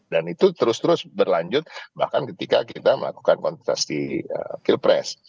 dan itu terus terus berlanjut bahkan ketika kita melakukan kontestasi kilpres